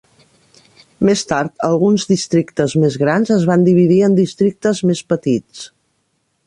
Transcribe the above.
Més tard, alguns districtes més grans es van dividir en districtes més petits.